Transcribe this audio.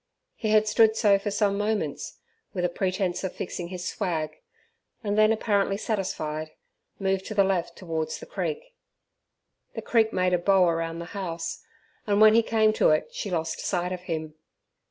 He had stood so for some moments with a pretence of fixing his swag, and then, apparently satisfied, moved to the left towards the creek. The creek made a bow round the house, and when he came to it she lost sight of him.